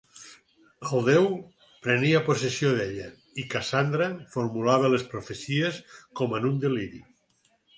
El déu prenia possessió d'ella i Cassandra formulava les profecies com en un deliri.